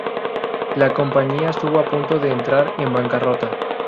La compañía estuvo a punto de entrar en bancarrota.